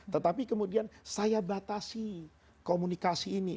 tetapi kemudian saya batasi komunikasi ini